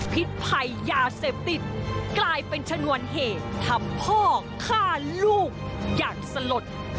พิษภัยยาเสพติดกลายเป็นชนวนเหตุทำพ่อฆ่าลูกอย่างสลด